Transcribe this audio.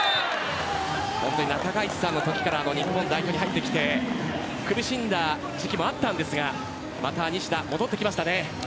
中垣内さんの時から日本代表に入ってきて苦しんだ時期もあったんですがまた西田が戻ってきました。